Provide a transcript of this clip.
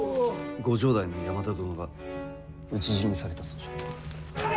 ご城代の山田殿が討ち死にされたそうじゃ。